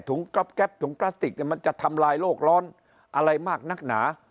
กรอบแก๊ปถุงพลาสติกมันจะทำลายโรคร้อนอะไรมากนักหนา